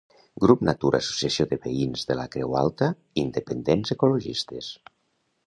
Grup Natura Associació de Veïns de la Creu Alta independents ecologistes